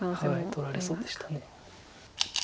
取られそうでした。